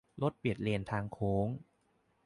- รถเบียดเลนทางโค้ง